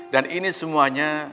dan ini semuanya